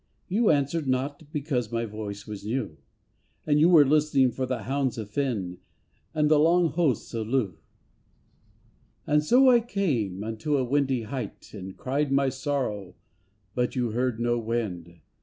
You answered not because my voice was new, And you were listening for the hounds of Finn And the long hosts of Lugh. And so, I came unto a windy height And cried my sorrow, but you heard no wind.